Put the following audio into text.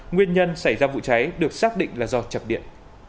nguyên nhân xảy ra vụ cháy được xác định là do chập điện